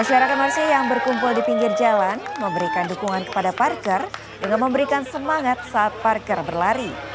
masyarakat mersi yang berkumpul di pinggir jalan memberikan dukungan kepada parker dengan memberikan semangat saat parker berlari